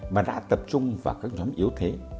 mà đã tập trung vào các nhóm yếu thế